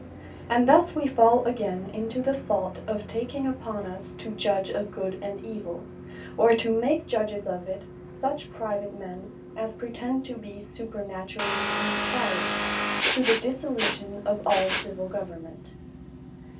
And thus wee fall again into the fault of taking upon us to Judge of Good and Evill; or to make Judges of it, such private men as pretend to be supernaturally Inspired, to the Dissolution of all Civill Government.